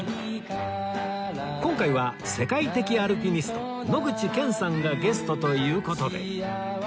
今回は世界的アルピニスト野口健さんがゲストという事で